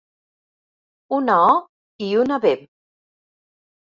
Una o i una be.